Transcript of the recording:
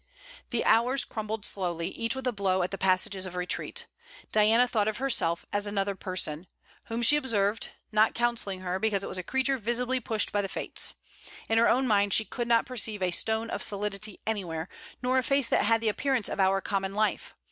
The hours crumbled slowly, each with a blow at the passages of retreat. Diana thought of herself as another person, whom she observed, not counselling her, because it was a creature visibly pushed by the Fates. In her own mind she could not perceive a stone of solidity anywhere, nor a face that had the appearance of our common life.